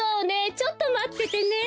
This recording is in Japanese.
ちょっとまっててね。